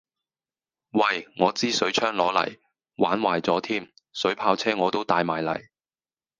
喂我支水槍攞嚟，玩壞咗添，水炮車我都帶埋嚟